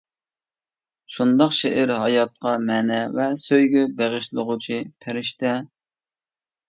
، شۇنداق، شېئىر ھاياتقا مەنە ۋە سۆيگۈ بېغىشلىغۇچى پەرىشتە.